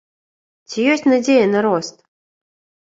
Ці ёсць надзея на рост?